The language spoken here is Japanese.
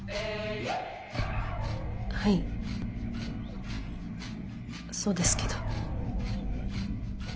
はいそうですけど。